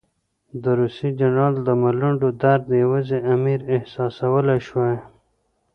د روسي جنرال د ملنډو درد یوازې امیر احساسولای شوای.